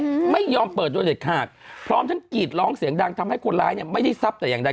ก็ไม่ยอมเปิดเก๊ะเก๊ะขาดพร้อมทั้งกิสร้องเสียงดังทำให้คนร้ายไม่ได้ซับแต่ยังไง